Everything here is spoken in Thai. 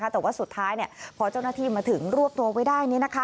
แต่ว่าสุดท้ายพอเจ้าหน้าที่มาถึงรวบตัวไว้ได้